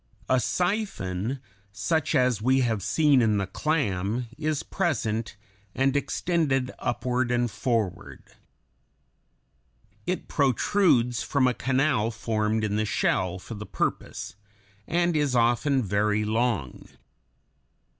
A siphon, such as we have seen in the clam, is present and extended upward and forward. It protrudes from a canal formed in the shell for the purpose, and is often very long.